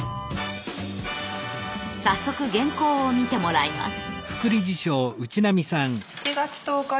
早速原稿を見てもらいます。